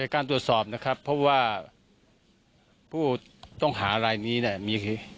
การตรวจสอบนะครับเพราะว่าผู้ต้องหารายนี้เนี่ยมี